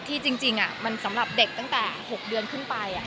จริงมันสำหรับเด็กตั้งแต่๖เดือนขึ้นไป